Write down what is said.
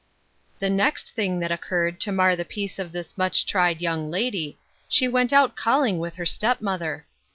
HE next thing that occurred to mar the C^^ peace of this much tried young lady — she \f ent out calling with her step mother.